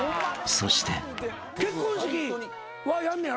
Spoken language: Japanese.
［そして］